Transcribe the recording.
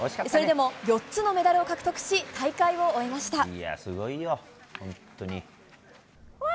それでも４つのメダルを獲得し大会を終えました。